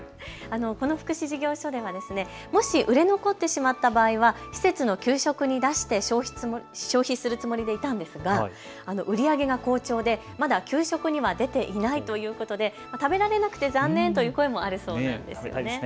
この福祉事業所ではもし売れ残ってしまった場合は施設の給食に出して消費するつもりでいたんですが売り上げが好調で、まだ給食には出ていないということで食べられなくて残念という声もあるそうです。